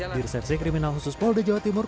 di reserse kriminal khusus polda jawa timur